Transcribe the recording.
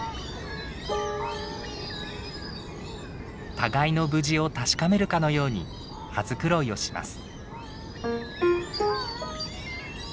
互いの無事を確かめるかのように羽繕いをします。